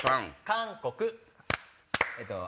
韓国。